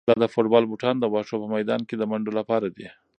دا د فوټبال بوټان د واښو په میدان کې د منډو لپاره دي.